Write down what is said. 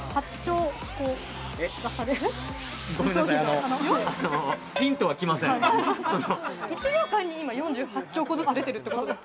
あの１秒間に今４８兆個ずつ出てるってことですか